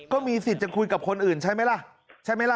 ก็มีสิทธิ์จะคุยกับคนอื่นใช่ไหมล่ะ